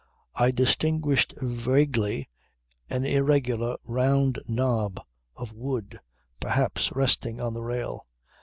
"I distinguished vaguely an irregular round knob, of wood, perhaps, resting on the rail.